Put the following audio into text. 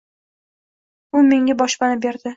U menga boshpana berdi.